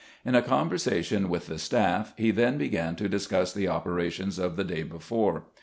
In a conversation with the staff he then began to discuss the operations of the day before.